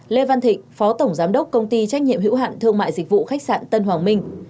lê văn thịnh phó tổng giám đốc công ty trách nhiệm hữu hạn thương mại dịch vụ khách sạn tân hoàng minh